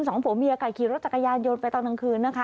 สองผู้เมียกายขี่รถจักรยานยนต์ไปตอนทางคืน